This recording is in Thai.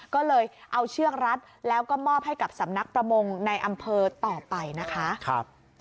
ก็เลยเอาเชือกรัดแล้วก็มอบให้กับสำนักประมงในอำเภอต่อไปนะคะ